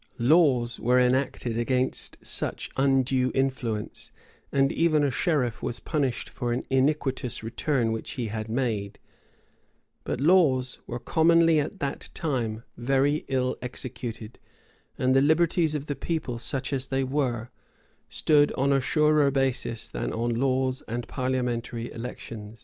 Laws were enacted against such undue influence; and even a sheriff was punished for an iniquitous return which he had made:[] but laws were commonly at that time very ill executed; and the liberties of the people, such as they were, stood on a surer basis than on laws and parliamentary elections.